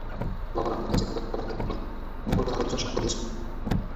Blogger Ahmed Rajib Haider হত্যা মামলায় গতকাল মঙ্গলবার আরও দুজন সাক্ষ্য দিয়েছেন।